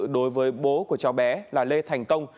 đối với bố của cháu bé là lê thành công